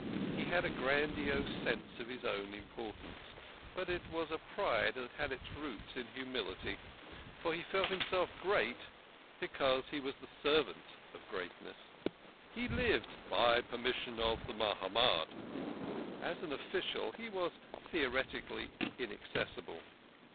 He had a grandiose sense of his own importance, but it was a pride that had its roots in humility, for he felt himself great because he was the servant of greatness. He lived " by permission of the Mahamad." As an official he was theoretically inaccessible.